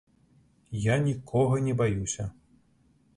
Я нікога не баюся.